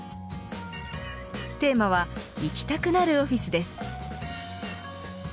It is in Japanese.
テーマは行きたくなるオフィスです。